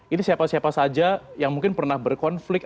ini siapa siapa saja yang mungkin pernah berkonflik